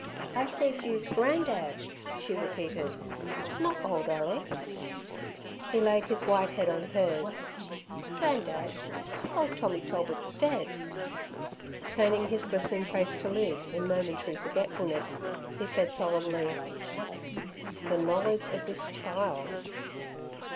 "I says you's gran' dad," she repeated, "not ole Alick." He laid his white head on hers. "Gran' dad, ole Tommy Tolbit's dead." Turning his glistening face to Liz in momentary forgetfulness, he said solemnly, "The knowledge of this chile!"